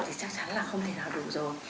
thì chắc chắn là không thể nào đủ rồi